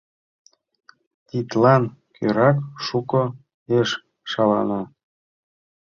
Тидлан кӧрак шуко еш шалана.